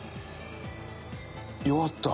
「弱った」